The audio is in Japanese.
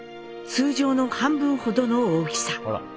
通常の半分ほどの大きさ。